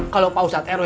kalau bawusat rw